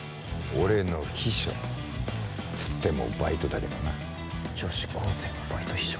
俺の秘書つってもバイトだけどな女子高生のバイト秘書